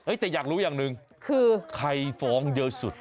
แต่อยากรู้อย่างหนึ่งคือใครฟ้องเยอะสุด